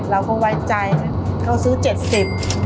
เราก็ไว้ใจเขาซื้อ๗๐บาท